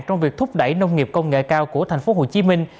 trong việc thúc đẩy nông nghiệp công nghệ cao của thành phố hồ chí minh